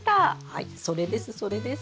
はいそれですそれです。